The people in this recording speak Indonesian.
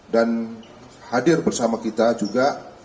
dan hadir bersama kita juga